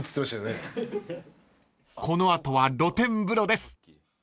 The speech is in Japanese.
［この後は露天風呂です］